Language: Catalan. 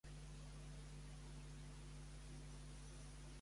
Qui va ser Hegesàndrides?